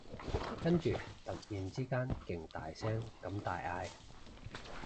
跟住突然之間勁大聲咁大嗌